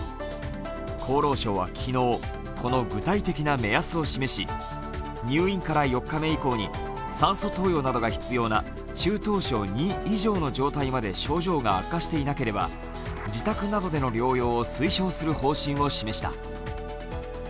厚労省は昨日、この具体的な目安を示し、入院から４日目以降に酸素投与などが必要な中等症Ⅱ以上の状態まで症状が悪化していなければ自宅などでの療養を推奨する方針を示した。